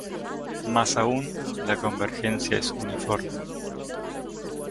Más aún, la convergencia es uniforme.